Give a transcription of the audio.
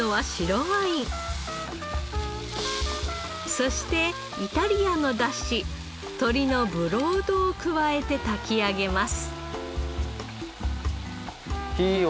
そしてイタリアの出汁鶏のブロードを加えて炊き上げます。